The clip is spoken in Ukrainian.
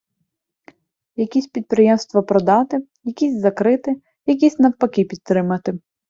Якісь підприємства продати, якісь закрити, якісь навпаки підтримати.